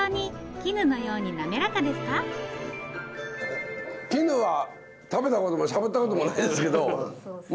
絹は食べたこともしゃぶったこともないですけどま